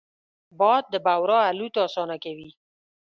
باد د بورا الوت اسانه کوي